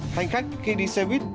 thành khách khi đi xe buýt